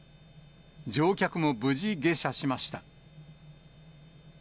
乗客も無事下車しました。